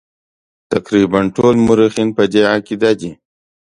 تقریبا ټول مورخین په دې عقیده دي.